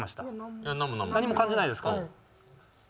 何も感じないですか？